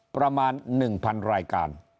ประมาณ๑๐๐๐รายการ